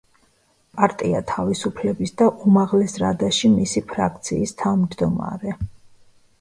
პარტია „თავისუფლების“ და უმაღლეს რადაში მისი ფრაქციის თავმჯდომარე.